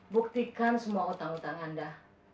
buktikan semua utang utang anda